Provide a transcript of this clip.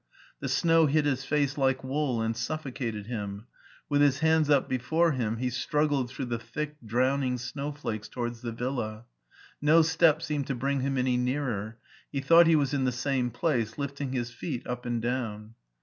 The snow hit his face like wool and suffocated him ; with his hands up before him, he straggled through the thick drowning snowflakes towards the villa. No step seemed to bring him any nearer ; he thought he was in the same place, lifting his feet up and down.